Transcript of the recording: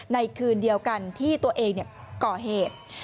ในคืนเดียวกันที่ตัวเองก่อเหตุ